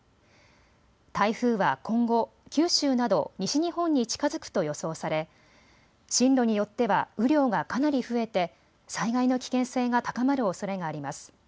台風は今後、九州など西日本に近づくと予想され進路によっては雨量がかなり増えて災害の危険性が高まるおそれがあります。